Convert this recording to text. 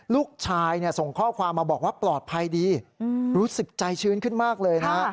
ลูกชายส่งข้อความมาบอกว่าปลอดภัยดีรู้สึกใจชื้นขึ้นมากเลยนะ